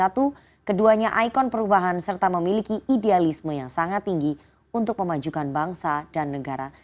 keduanya ikon perubahan serta memiliki idealisme yang sangat tinggi untuk memajukan bangsa dan negara